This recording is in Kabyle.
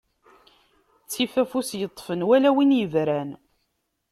Ttif afus yeṭṭfen wal win yebran.